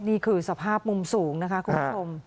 นี่คือสภาพมุมสูงนะครับคุณพระพร